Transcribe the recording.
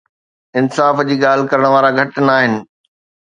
انصاف جي ڳالهه ڪرڻ وارا گهٽ ناهن.